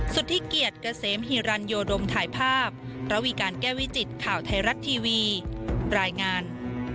สุธิเกียจเกษมฮิรันโยดมถ่ายภาพระวีการแก้วิจิตข่าวไทยรัฐทีวีรายงาน